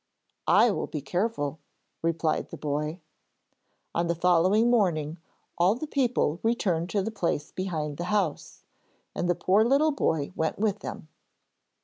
'I will be careful,' replied the boy. On the following morning all the people returned to the place behind the house, and the poor little boy went with them.